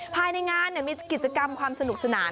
ภายในงานมีกิจกรรมความสนุกสนาน